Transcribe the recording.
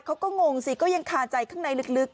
งงสิก็ยังคาใจข้างในลึก